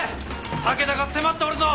武田が迫っておるぞ！